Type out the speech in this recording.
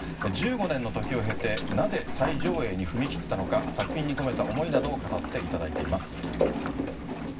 １５年の時を経て、なぜ再上映に踏み切ったのか、作品に込めた思いなどを語っていただいています。